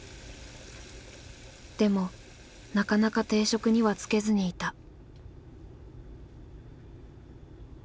でもなかなか定職には就けずにいた。